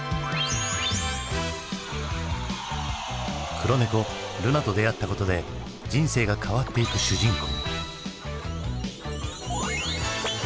黒猫ルナと出会ったことで人生が変わっていく主人公。